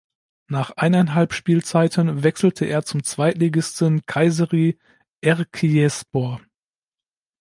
Nach eineinhalb Spielzeiten wechselte er zum Zweitligisten Kayseri Erciyesspor.